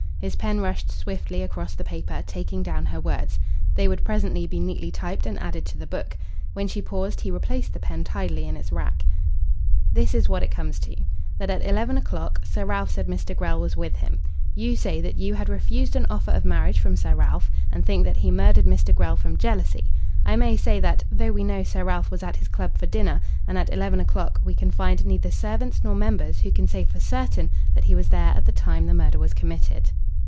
His pen rushed swiftly across the paper, taking down her words. They would presently be neatly typed and added to the book. When she paused, he replaced the pen tidily in its rack. "This is what it comes to that at eleven o'clock Sir Ralph said Mr. Grell was with him. You say that you had refused an offer of marriage from Sir Ralph, and think that he murdered Mr. Grell from jealousy. I may say that, though we know Sir Ralph was at his club for dinner and at eleven o'clock, we can find neither servants nor members who can say for certain that he was there at the time the murder was committed."